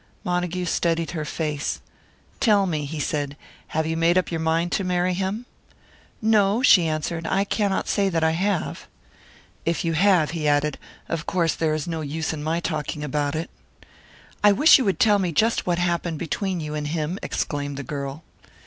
Montague studied her face. "Tell me," he said, "have you made up your mind to marry him?" "No," she answered, "I cannot say that I have." "If you have," he added, "of course there is no use in my talking about it." "I wish you would tell me just what happened between you and him," exclaimed the girl.